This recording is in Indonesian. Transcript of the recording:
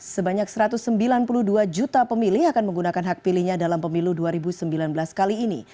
sebanyak satu ratus sembilan puluh dua juta pemilih akan menggunakan hak pilihnya dalam pemilu dua ribu sembilan belas kali ini